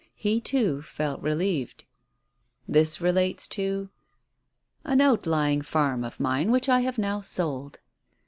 He, too, felt relieved. "This relates to ?" "An ouylying farm of mine which I have now sold."